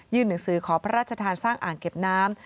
หนังสือขอพระราชทานสร้างอ่างเก็บน้ำ